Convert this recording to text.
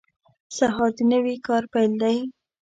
سهار د نوي کار پیل دی.